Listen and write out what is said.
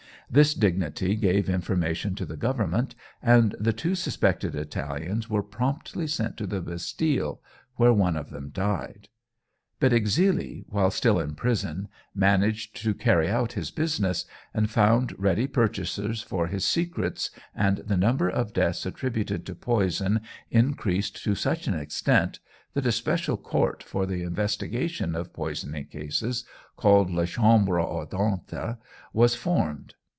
This dignitary gave information to the Government, and the two suspected Italians were promptly sent to the Bastille, where one of them died; but Exili, while still in prison, managed to carry on his business, and found ready purchasers for his secrets, and the number of deaths attributed to poison increased to such an extent, that a special court for the investigation of poisoning cases, called "La Chambre Ardente," was formed.